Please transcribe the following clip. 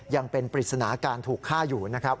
ยังเป็นปริศนาการถูกฆ่าอยู่นะครับ